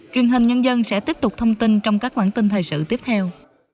truyền hình nhân dân sẽ tiếp tục thông tin trong các bản tin thời sự tiếp theo